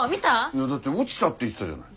いやだって落ちたって言ってたじゃない。